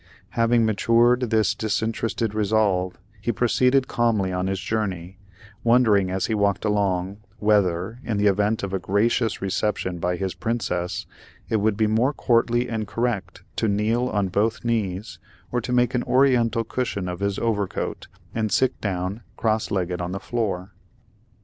Having matured this disinterested resolve, he proceeded calmly on his journey, wondering as he walked along, whether, in the event of a gracious reception by his Princess, it would be more courtly and correct to kneel on both knees, or to make an Oriental cushion of his overcoat and sit down cross legged on the floor.